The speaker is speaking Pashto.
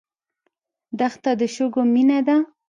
دښته د شګو مینه ده.